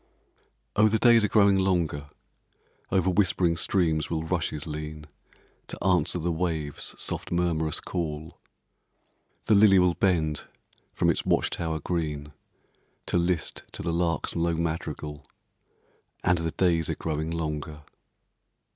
Oh, the days are growing longer; Over whispering streams will rushes lean, To answer the waves' soft murmurous call; The lily will bend from its watch tower green, To list to the lark's low madrigal, And the days are growing longer.